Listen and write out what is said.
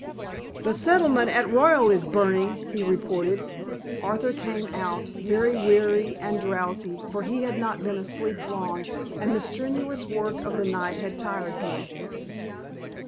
"The settlement at Royal is burning," he reported. Arthur came out, very weary and drowsy, for he had not been asleep long and the strenuous work of the night had tired him.